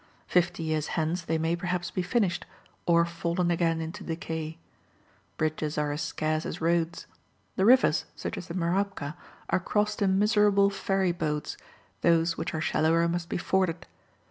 Fifty years hence, they may, perhaps, be finished, or fallen again into decay. Bridges are as scarce as roads. The rivers, such as the Mirabka are crossed in miserable ferry boats, those which are shallower must be forded.